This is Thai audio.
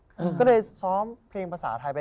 ก็เลยซ้อมเพลงภาษาไทยไป